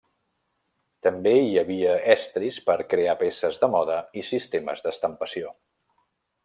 També hi havia estris per crear peces de moda i sistemes d'estampació.